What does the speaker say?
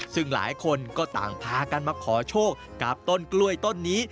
ซึ่งหลายคนก็ต่างพากันมาขอโชคกับต้นกล้วยต้นนี้